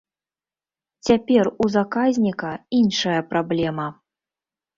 Цяпер у заказніка іншая праблема.